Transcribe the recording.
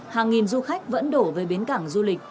hàng nghìn du khách vẫn đổ về bến cảng du lịch